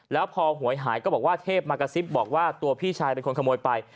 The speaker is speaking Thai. แล้วพอหวยหายก็บอกว่าเทพมากระซิบบอกว่าตัวพี่ชายเป็นคนขโมยไป